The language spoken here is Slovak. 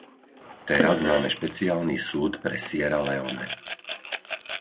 Teraz máme Špeciálny súd pre Sierra Leone.